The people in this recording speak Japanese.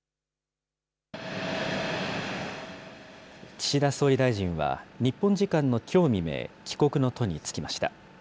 岸田総理大臣は日本時間のきょう未明、帰国の途に就きました。